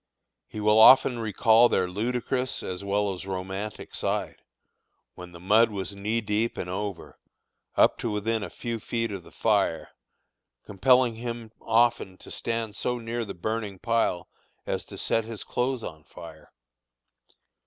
He will often recall their ludicrous as well as romantic side, when the mud was knee deep and over, up to within a few feet of the fire, compelling him often to stand so near the burning pile as to set his clothes on fire.